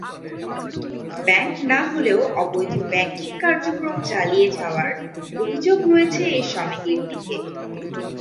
Bank না হলেও অবৈধ ব্যাংকিং কার্যক্রম চালিয়ে যাওয়ার অভিযোগ রয়েছে এই সমিতির দিকে।